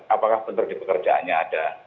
apakah bentuk di pekerjaannya ada